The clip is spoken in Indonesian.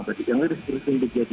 berarti yang harus disiapkan